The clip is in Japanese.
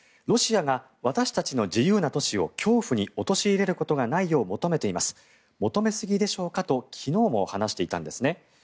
ロシアが私たちの自由な都市を恐怖に陥れることがないように求めています求めすぎでしょうか？と昨日も話していたんですね。